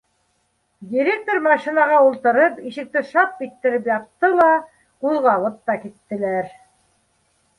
— Директор машинаға ултырып, ишекте шап иттереп япты ла, ҡуҙғалып та киттеләр.